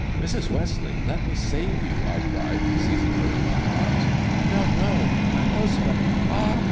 = Mrs. Westleigh, let me save you," I cried, seizing her ny arms. ' No ! No ! My husband ! Ah